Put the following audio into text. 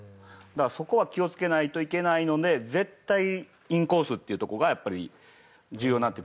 だからそこは気を付けないといけないので絶対インコースっていうとこがやっぱり重要になってくると思うんですよね。